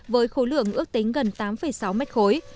với khối lượng ước tính gần tám sáu mét khối